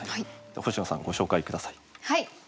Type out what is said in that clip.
星野さんご紹介下さい。